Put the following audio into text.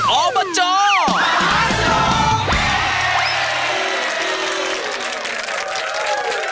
ออเบอร์เจ้า